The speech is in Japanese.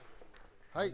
はい。